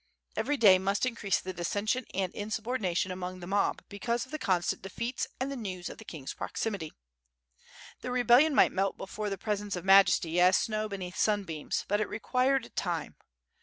Every day must increase ihe dissension and insubordination among the mob because of the constant defeats and the news of the king's proximity. The rebellion might melt before the pres ence of Majesty, as snow beneath sunbeams, but it required time.